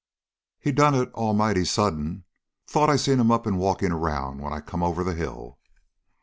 "He done it almighty sudden. Thought I seen him up and walking around when I come over the hill."